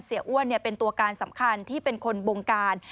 อ้วนเป็นตัวการสำคัญที่เป็นคนบงการ